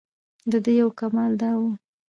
دده یو کمال دا و.